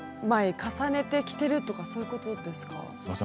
１２？１２枚重ねて着ているとかそういうことですか。